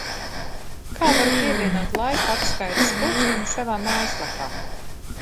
Kā varu pievienot laika atskaites pulksteni savā mājaslapā?